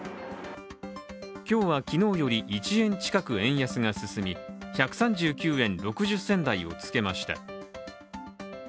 今日は昨日より１円近く円安が進み、１３９円６０銭台をつけました。